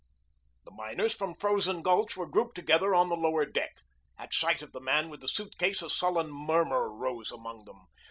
The miners from Frozen Gulch were grouped together on the lower deck. At sight of the man with the suitcase a sullen murmur rose among them.